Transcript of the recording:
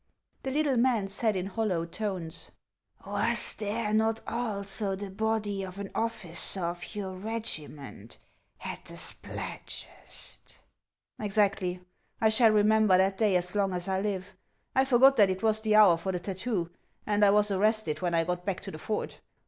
The little man said in hollow tones :" Was there not also the body of an officer of your regiment at the Spladgest ?" "Exactly; I shall remember that day as long as I live. I forgot that it was the hour for the tattoo, and I was arrested when I got back to the fort.